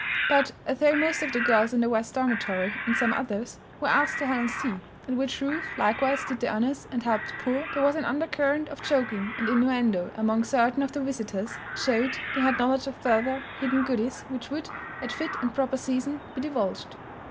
But although most of the girls In the West Dormitory, and some others, were asked to Helen's tea (at which Ruth likewise did the honors, and "helped pour") there was an undercurrent of joking and innuendo among certain of the visitors that showed they had knowledge of further hidden goodies which would, at fit and proper season, be divulged.